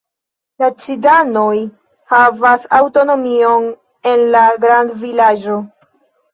La ciganoj havas aŭtonomion en la grandvilaĝo.